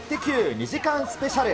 ２時間スペシャル。